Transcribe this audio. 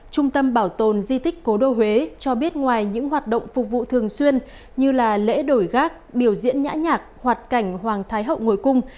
trung tâm bảo tồn di tích cố đô huế cho biết ngoài những hoạt động phục vụ thường xuyên như lễ đổi gác biểu diễn nhã nhạc hoạt cảnh hoàng thái hậu ngồi cung